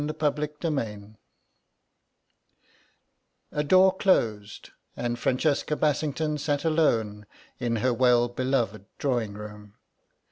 CHAPTER XII A DOOR closed and Francesca Bassington sat alone in her well beloved drawing room.